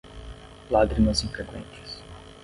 Lágrimas infreqüentes